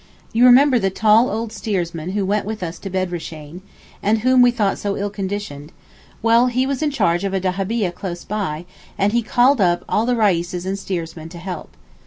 You remember the tall old steersman who went with us to Bedreeshayn, and whom we thought so ill conditioned; well, he was in charge of a dahabieh close by, and he called up all the Reises and steermen to help.